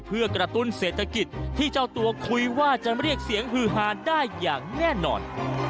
เพื่อกระตุ้นเศรษฐกิจที่เจ้าตัวคุยว่าจะเรียกเสียงฮือฮาได้อย่างแน่นอน